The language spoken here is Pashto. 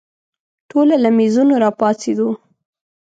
ټوله له مېزونو راپاڅېدو.